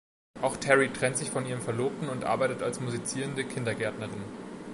Auch Terry trennt sich von ihrem Verlobten und arbeitet als musizierende Kindergärtnerin.